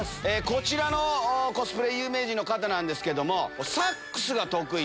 こちらのコスプレ有名人の方ですけど。